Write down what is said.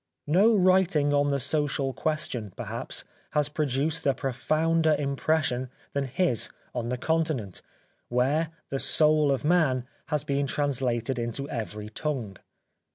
No writing on the social question, perhaps, has produced a profounder impression than his on the continent, where " The Soul of Man " has been translated into every tongue.